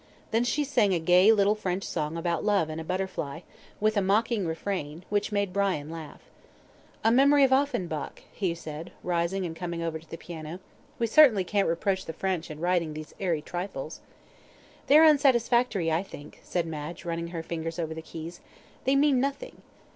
Then she sang a gay little French song about Love and a Butterfly, with a mocking refrain, which made Brian laugh. "A memory of Offenbach," he said, rising and coming over to the piano. "We certainly can't approach the French in writing these airy trifles." "They're unsatisfactory, I think," said Madge, running her fingers over the keys; "they mean nothing."